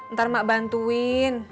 ntar mak bantuin